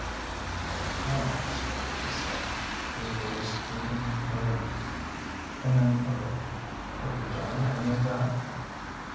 "Perhaps," he said, his voice drooping a little. And then, abruptly: "Have you done any of that?"